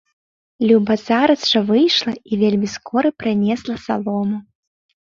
Люба зараз жа выйшла і вельмі скора прынесла салому.